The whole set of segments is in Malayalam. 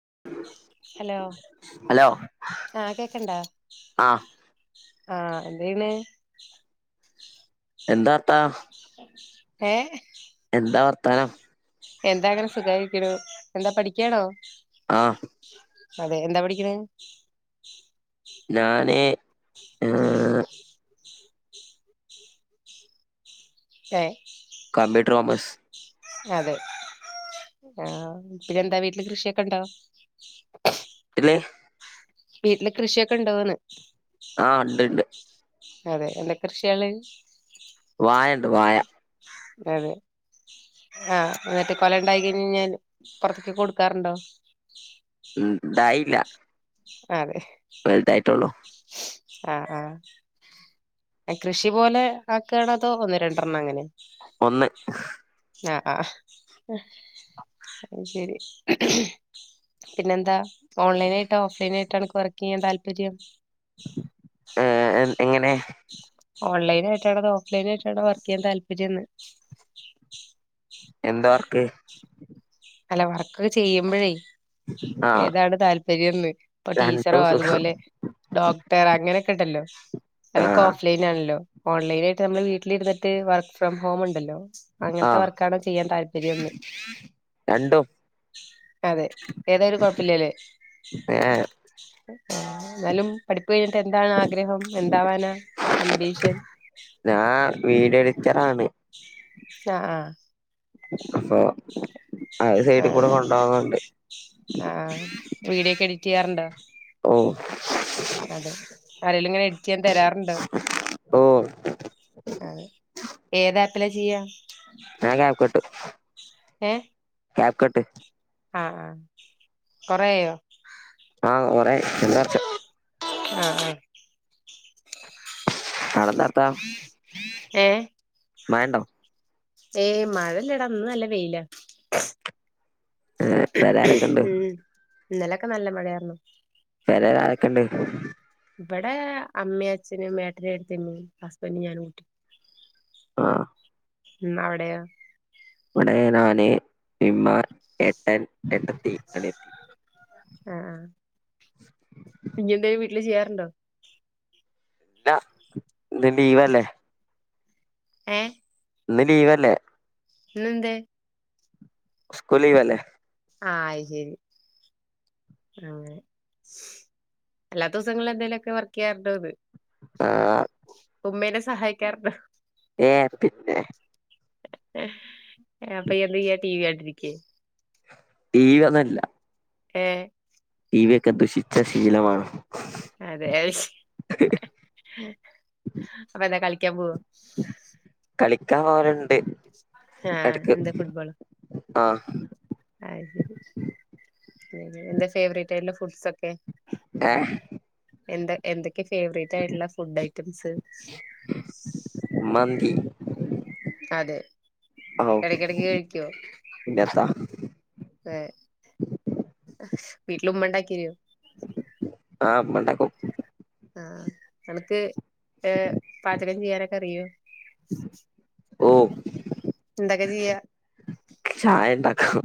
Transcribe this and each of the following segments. [unintelligible] ഹലോ ഹലോ ആഹ് കേക്കണ്ടോ ആ ആഹ എന്തേണ് എന്താത്താ ഏ എന്താ വർത്താനം എന്താ അങ്ങനെ സുഖായിരിക്കണു എന്താ പഠിക്കാണോ ആ അതെ എന്താ പഠിക്ക്ണ് ഞാനേ ആഹ് ഏഹ് കബ്യൂട്രോമസ് അതെ ആഹ് പിന്നെന്താ വീട്ടില് കൃഷിയൊക്കെ ണ്ടോ ട്ട്ല് വീട്ടില്െ കൃഷിയൊക്കെ ഇണ്ടന്ന് ആഹ് ഉണ്ട്ുണ്ട് അതെ എന്താ കൃഷിയാണ് കുവായ അതെ ആഹ എന്നിട്ട് കൊല ഉണ്ടായി കഴിഞ്ഞഴിഞ്ഞാൽ പുൊറത്തേക്ക് കൊടുക്കാറുണ്ടോ ഉ ഇതായില്ല അതെ ായിട്ടോള്ളോ ആ് ആഹ കൃഷി പോലെ ആക്കണതോ ഒന്ന് രണ്ടെണ്ണം അങ്ങനെ ഒന്ന് ആ അ ശരി പിന്നെന്താ ഓൺലൈന ആായിട്ടോ ഓഫ്ലൈന ആായിട്ടോ എനിക്ക് വർക്ക് ചെയ്യാൻ താല്പര്യം ഏർ എങ്ങനെ ഓൺലൈന ആയിട്ടാണ അോ ഓഫ്ലൈന ആയിട്ടാാണ്ോ വർക്ക് ചെയ്യാൻ താല്പര്യംന്ന് എന്താ വർക്ക് പലവർക്ക് ചെയ്യുമ്പോഴേ ആ ഏതാണ് താല്പര്യംന്ന് ഇപ്പൊ ടീച്ചറോ രണ്ടും സുഖം അതുപോലെ ഡോക്ടർ അങ്ങനെ കേട്ടല്ലോ ആ അതൊക്കെ ഓഫ്ലൈൻ ആണല്ലോ ഓൺലൈനായിട്ട് നമ്മൾ വീട്ടിലിരുന്നിട്ട് വർക്ക് ഫ്രം ഹോം ഉണ്ടല്ലോ ആ അങ്ങനത്തെ വർക്കാണോ ചെയ്യാൻ താല്പര്യംൊന്ന് രണ്ടും അതെ ഏതരു കൊഴപ്പില്ലല്ലേ ഏ, ആ എന്നാലും പഠിപ്പ കഴിഞ്ഞിട്ട് എന്താണ് ആഗ്രഹം എന്താവാാനാ അമ്പീഷൻ വീട്ടിച്ചറാണ് ആഹ ആഹ അഫ ആത് സൈഡിൽ കൂടെ കൊണ്ട പോോകുന്നുണ്ട് ആഹ വീടിയോ ഒക്കെ എഡിറ്റ് ചെയ്യാറുണ്ടോ ഓ അതെ ആരെിലും ഇങ്ങനെ എഡറ്റ് ചെയ്യാൻ തരാറുണ്ടോ ഓ ആഹ ഏതാപ്പില ചെയ്യ നാൻ ക്യാപ്ക്കട്ട് ഏ ക്യാപ്കട്ട് ആ ആ കൊറേയ്യോ ആഹ് കെറേയി എന്താർച്ചോ ആ ആ നടന്ന അർത്താ ഏ മ്യാണ്ടം ഏയ് മഴ ഇല്ലാടാ ഇന്ന് നല്ല വെയിലാ പെരേരൊക്കെ ഉണ്ട് ഉം ഇന്നലൊക്കെ നല്ല മഴയാർന്നു പെരേലാരക്കുണ്ട് ഇവിടെ അമ്മേം അച്ഛനും മേട്ടനും എട്ടത്തിയമ്മേം ഹസ്ബൻഡും ഞാനുട്ടി ആ ഉം അവിടെയാ ഇവിടെ നാന് ഇമ്മ ഏട്ടൻ ഏട്ടത്തി അനിയത്തി ആ ആ പിന്നെന്തേഊര് ട്ടില് ചെയ്യാറുണ്ടോ ന്നാ എന്തേ ബീവല്ലേ ഏ ഇന്ന് ലീവല്ലേ ഇന്ന് എന്തേ സ്ക്കൂൾ ലീവല്ലെ ആ അയിശരി ആ എല്ലാ ദിവസങ്ങളും എന്തേങ്കി ലൊക്കെ വർക്ക് ചെയ്യാറുണ്ടോന്ന് ആ ഉമ്മേനെ സഹായിക്കാറുണ്ടോ ഏയ് അത് പിന്നെ അപ്പൊ എന്തെയ്യാ ടി വികണ്ടിരിക്കേ ടീവി ഒന്നും അല്ല ഏ ടി വി യൊക്കെ ദുഷിച്ച ശീലമാണ് അതെ ഏശ് അപ്പൊ എന്താ കളിക്കാൻ പോവോ കളിക്കാൻ പോവലുണ്ട് ആ എടക്ക് എന്താ ഫുട്ബോളോ ആഹ് എന്തേ ഫേവറേറ്റായിട്ടുള്ള ഫുഡ്സ് എ എന്താ എന്തൊക്കെ ഫേവറേറ്റ് ആയിട്ടുള്ള ഫുഡ് ഐറ്റംസ് മന്തി അതെ ഔ എടക്കിടക്ക് കഴിക്കുവോ പിന്നെത്താ ഏ വീട്ടില് ഉമ്മണ്ടാക്കിരോ ആഹ് ഉമ്മണ്ടാക്കും ആ നെണക്ക് ഏ പാചകം ചെയ്യാനൊക്ക അറിയോ ഓ എന്തക്കെ ചെയ്യാ ചായ ഇണ്ടാക്കും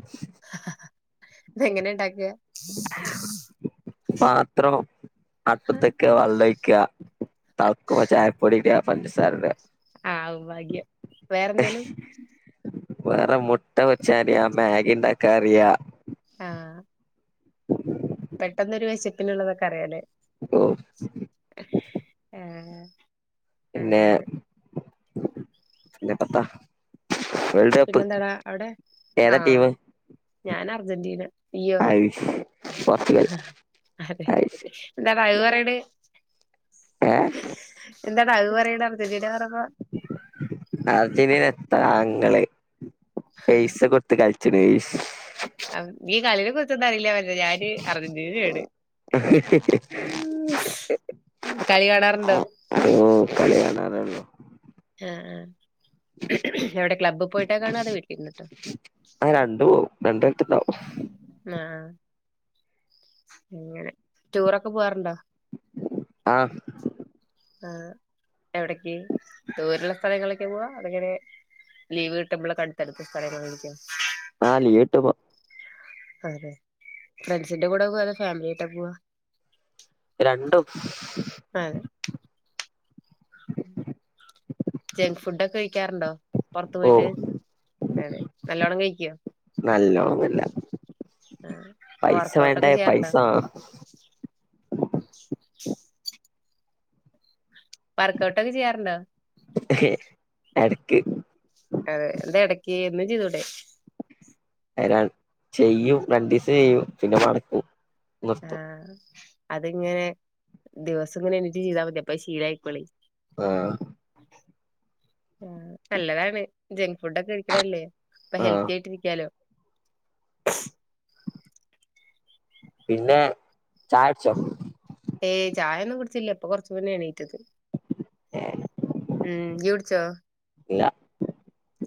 ഇതെങ്ങനെ ഇണ്ടാക്കാ പാത്രം അടുപ്പത്തക്കെ വള്ളയിക്കാ തളക്കുമ്പ ചായ പൊടി ഇട്യാ പഞ്ചസാര ഇടാ ആ ഭാഗ്യം വേറെ എന്തേലും വേറെ മുട്ട വെച്ചടിയാം മ്യാഗ ഇണ്ടാക്കാറിയാം ആഹ ഉ പെട്ടെന്നൊരു വിശപ്പിനുള്ളള്ളതൊക്കെ അറിയാലേ ഓ ആഹ് അങ്ങനെ പിന്നെ പത്ത പിന്നെന്താടാ അവിടെ ഏതാ ആഹ ഞാൻ അർജന്റീന ഇയ്യോ അയ്ഷ് അതെ എന്താ അത് പറയണ് ഏ എന്താട അത് പറയണ് അർജൻ്റിനെ പറഞ്ഞപ്പോ അർജന്റീന എത്ര താങ്ക പൈസ കൊടുത്ത് കളിച്ചണ് എനിക്ക്അറിയില്ല വല്യഞാന് അർജന്റീനയാണ് ഉ കളി കാണാറുണ്ടോ ഓ കളി കാണാറല്ലോ ആഹ ആ എവിടെ ക്ലബ്ബ് പോയിട്ടാ കാണോ അത വീട്ടിലിന്നിട്ടോ രണ്ടായിട്ടണ്ടാവു ആഹ എങ്ങനെ ടൂറൊക്കെ പോവാറുണ്ടോ ആഹ് ആഹ് എവിട്ക്ക്? ദൂരള്ള സ്ഥലങ്ങളിൽക്കാ പോവാ അതോ ഇങ്ങനെ ലീവ് കിട്ടുമ്പൾ ക്കടുത്തടുത്ത സ്ഥലങ്ങൾലേക്കോ? ലീവ് ട്ടുമ്പം അതെ ലേ. ഫ്രണ്ട്സിന്റെ കൂടെ പോവാ അതെ ഫാമിലിയായ്ട്ടാ പോവാ? രണ്ടും. അതെ ജങ്ക് ഫുഡൊക്കെ കഴിക്കാറുണ്ടോ? പൊറത്ത് ഓ പോയിട്ട്. അതെ നല്ലോണം കഴിക്ക്യോ? നല്ലോണം ന്ന്ല്ല. ആഹ് അപ്പൊ പൈസ വർക്കഔട്ട് വേണ്ടേ ഒക്കെ പൈസ ചെയ്യാറുണ്ടോ വർക്ക് ഔട്ടൊക്കെ ചെയ്യാറുണ്ടോ? എട്ക്ക്. അതെ. എന്താ എടക്ക് എന്നും ചെയ്തൂടേ? അഹ് ര, ചെയ്യും രണ്ടീസം ചെയ്യും പിന്നെ മട്ക്കും ആഹ് അത്ങ്ങനെ ദിവസങ്ങനെ [unintelligible] ചെയ്താ മതി. അപ്പൊ അത് ശീലാക്കോളേ ആഹ് ആഹ് നല്ലതാണ് ജങ്ക് ഫുഡൊക്കെ കഴിക്കണല്ലേ. അപ്പൊ ആ ഹെൽത്തി ആയിട്ട് ഇരിക്കാലോ. പിന്നെ ചായുട്ചോ? ഏയ് ചായൊന്നും കുടിച്ചില്ല ഇപ്പ കൊറച്ച് മുന്നെ എണീ റ്റത്. ഉം ഇയു ട്ച്ചോ? ഇല്ല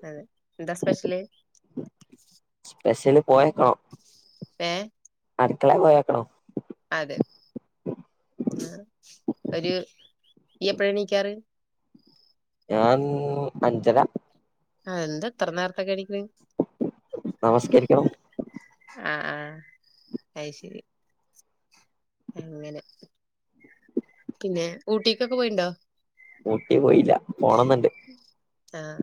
അതെ. എന്താ സ്പെഷ്യല്? പോയോക്കണം. ഏഹ്? അട്ക്കളേ പോയോക്കണം. അതെ ആഹ് ഒര് യ്യ് എപ്പഴാ ണീക്കാറ്? ഞാൻ അഞ്ചര ആഹ് എന്താ ഇത്ര നേരത്തെ ക്കെണിക്ക്ണ്? നമസ്കരിക്കാണം. ആഹ് ആഹ് അയ് ശെരി അങ്ങനെ പിന്നെ ഊട്ടിക്കൊക്കെ പോയിണ്ടോ? ഊട്ടി പോയില്ല പോണന്ന്ണ്ട്. ആഹ്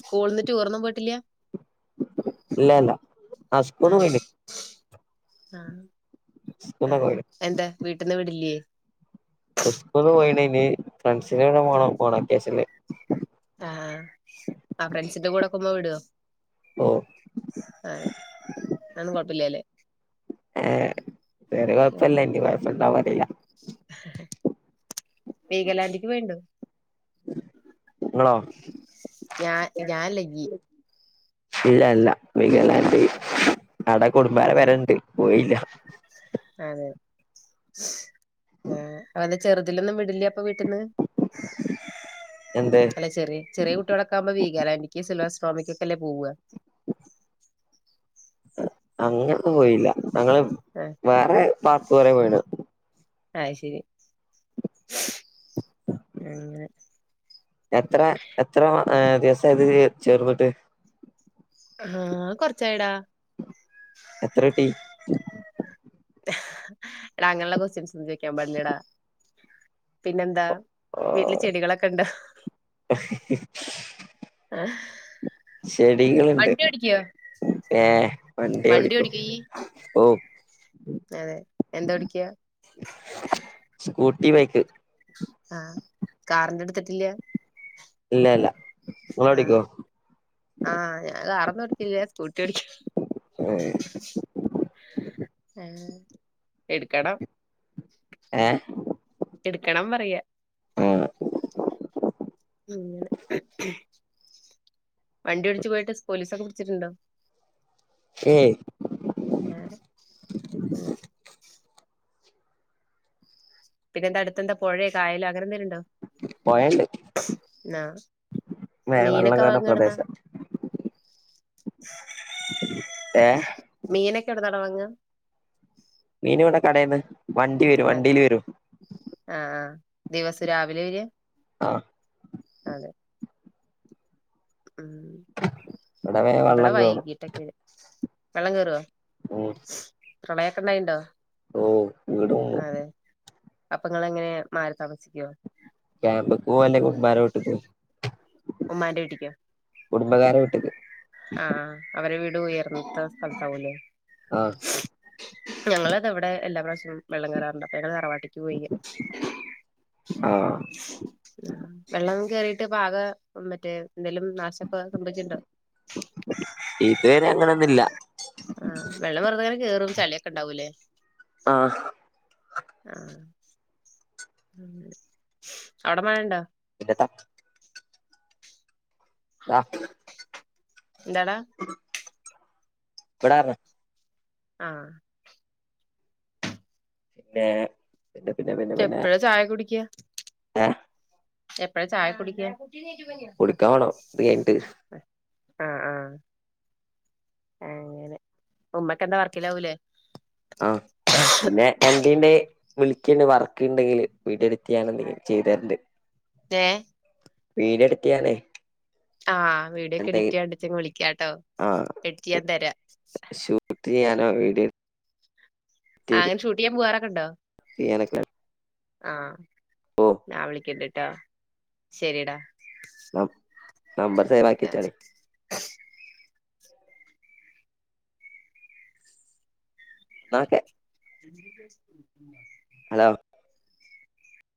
സ്കൂള്ന്ന് ടൂറൊന്നും പോയിട്ടില്ല്യാ? ഇല്ലാല്ല ആ സ്കൂള്ന്ന് അതെ പോയിണ്. ആഹ് സ്കൂന്ന് അഹ് പോയിന് എന്താ വീട്ടിന്ന് വിടില്യേ? സ്കൂള്ന്ന് പോയണ് നി ഫ്രണ്ട്സിന്റെകൂടെ പോണം ഓണ വെക്കേഷൻല്. ആഹ് ആ ഫ്രണ്ട്സിന്റെ കൂടൊക്കുമ്മ വിട്വോ? ഓ ആഹ് ആന്നും കൊഴപ്പല്ലാല്ലേ ഏഹ് വേറെ കൊഴപ്പല്ല ഇനി കൊഴപ്പോണ്ടവോ അറീല്ല വീഗലാൻ്റിക് പോയ്ണ്ടോ? ഇങ്ങളോ ഞാ ഞാല്ല യ്യ് ഇല്ലാ ല്ലാ വീഗാലാൻ്റ് ആടെ കുടുംബാരെ പെരണ്ട് പോയില്ല. അതെ ആഹ് അഓലെ ചെറ്തിലൊന്നും വിടില്ല്യ? ഇപ്പൊ വീട്ട്ന്ന് എന്ത് അല്ല ചെറിയ് ചെറിയ കുട്ട്യൊളൊക്കാവുമ്പോ വീഗാലാൻ്റിക്ക് സിൽവർസ്ട്രോമിക്കൊക്കല്ലേ പോവ്വാ അങ്ങൻ ന്നും പോയില്ല ഞങ്ങള് ആഹ് വേറെ പാർക്ക് കൊറെ പോയിണ്. ആയ് ശെരി അങ്ങനെ എത്ര എത്ര മ അ ദേവസമായി ഇതില് ചേർന്നിട്ട് ആഹ് കൊറച്ചായ്ടാ എത്ര കിട്ടീ എടാ അങ്ങനുള്ള കൊസ്റ്റ്യൻസ്സൊന്നും ചോയിക്കാൻ പാടില്ലടാ പിന്നെന്താ ഓ വീട്ടില് ചെടികളൊക്കെ ഇണ്ടോ [unintelligible] [inaudible] ചെടികള്ണ്ട് വണ്ടി ഓടിക്കോ ഏഹ് വണ്ടി ഓടിക്കും ഓടിക്കോ ഇയ്യ് ഓ അതെ എന്താ ഓടിക്യാ തീബൈക്ക് ആഹ് കാറിന്റെ എടുത്തിട്ടില്ല്യാ ഇല്ല ഇല്ലാ ആഹ് ആ ഞാ കാറൊന്നുഎടുത്തില്ല സ്കൂ ട്ടിയോടിക്ക് ഏ ആ എടുക്കണം ഏഹ് എടുക്കണം പറയ്യാ അങ്ങനെ വണ്ടി ഓടിച്ചു പോയിട്ട് സ്പോലീസൊക്കെ പിടിച്ചിട്ടുണ്ടോ ഏയ് ഏഹ് [unintelligible] പിന്നെ എന്താ അടുത്ത് എന്താ പൊഴയ് കായലോ അങ്ങനെന്തേല്ണ്ടോ പൊഴണ്ട് ന്നാ വേ വെള്ളം മീനൊക്കെ കേറുന്ന വാങ്ങ്ആഎടന്നാ പ്രദേശ ഏ മീനൊക്കെ ഏടന്നാടാ വാങ്ങ്കാ മീനിവിടെ കടേന്ന് വണ്ടി വരും അതെ വണ്ടിയില് വരും ആ ആ ദിവസം രാവിലെ വര്വാ ആഹ് അതെ ഉം വേ ഇവിടെ വെള്ളം കേറും വൈയ്കീട്ടക്കെ വെള്ളം കേറുവോ മോ [unintelligible] പ്രളയ്ക്കെണ്ടായ്ണ്ടോ ഓ വീട് ഉം അപ്പങ്ങള് എങ്ങനെയാ മാറി താമസിക്കുവോ ക്യാമ്പ്പോവല്ലേ കുടുംബാരോട്ടി പോം ഉമ്മാന്റെവീട്ടിക്കോ കുടുംബകാര വിട്ടത് ആഹ അവരെ വീട് ഉയർന്നത്ത സ്ഥലത്താവൂലേ ആ ഞങ്ങളത ഇവിടെ എല്ലാ പ്ര്രാവശ്യവും വെള്ളം കയറുണ്ട് ഞ തറവാട്ട പോയി ആഹ ആ വെള്ളം കേറിീട്ട് പാക മറ്റേ എന്തെങ്കലും നാശമൊക്കെ സംഭവിച്ചിണ്ടോ വേരെ അങ്ങൊന്നുമില്ല ആഹ് വെള്ളം വെറുത അങ്ങനെ കയറും ചളിയൊക്കെ ഉണ്ടാവൂല്ലേ ആഹ ആഹ അവിടെ മണണ്ടോ പിട്ട ആഹ് ന്തടാ പടാറന ആഹ പിന്നെ പിന്നെ പിന്നെ പിന്നെ പിന്നെ എപ്പഴാ ചായ കുടിക്ക ആഹ എപ്പഴാ ചായ കുടിക്ക കുടിക്കാ വേണോ ഇത് കഴിഞ്ഞിട്ട് ആ ആ അങ്ങനെ ഉമ്മക്ക് എന്താ വർക്കിലാവൂലേ ആഹ് പിന്നെ എൻ - വീ [unintelligible] ന്റെ വിളിക്കണ്ട് വർക്ക് ഉണ്ടെങ്കില് വീഡിയോ എഡിറ്റ്‌ ചെയ്യാൻ ഉണ്ടെങ്കിൽ ചെയ്തരണ്ട് ഏയ വീഡിയോ എടുക്കെയാനേ ആഹ് വീഡിയോക്കെ എഡിറ്റ് ചെയ്യാൻ ഉണ്ടെങ്കിൽ വിളിക്കാട്ടോ ആഹ് എഡറ്റ് ചെയ്യാൻ തരാം ത്തിയാനോ വീട് അങ്ങനെ ചൂട്ടിയാൻ പോകാറൊക്കെണ്ടോ എനക്ക് ആഹ് ഞാൻ വിളിക്കണ്ടിട്ടാ ശരിടാ നമ്പർ സെവ് ആക്കി ആ വച്ചോളി എന്നാ ഓക്കേ [inaudible] ഹലോ